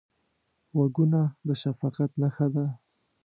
غوږونه د شفقت نښه ده